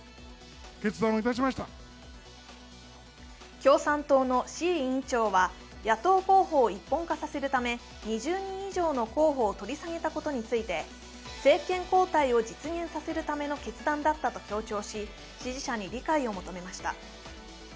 共産党の志位委員長は野党候補を一本化させるため２０人以上の候補を取り下げたことについて政権交代を実現させるための決断だったと強調し、支持者に理解を求めました。